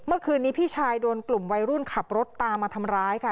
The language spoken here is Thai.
เมื่อคืนนี้พี่ชายโดนกลุ่มวัยรุ่นขับรถตามมาทำร้ายค่ะ